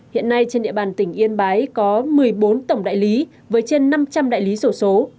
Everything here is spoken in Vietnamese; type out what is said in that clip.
hiện nay trên địa bàn tỉnh yên bái có một mươi bốn tổng đại lý với trên năm trăm linh đại lý sổ số